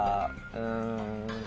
うん。